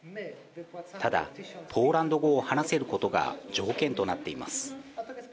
ただ、ポーランド語が話せることが条件となっています。